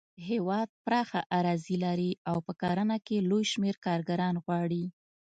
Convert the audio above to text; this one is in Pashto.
هېواد پراخه اراضي لري او په کرنه کې لوی شمېر کارګران غواړي.